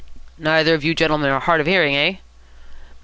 "Neither of you gentlemen are hard of hearing, eh?"